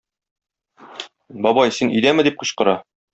Бабай, син өйдәме? - дип кычкыра.